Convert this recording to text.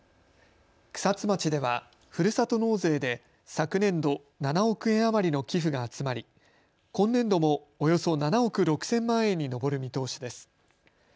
草津町ではふるさと納税で昨年度７億円余りの寄付が集まり今年度もおよそ７億６０００万円に上る見通しです。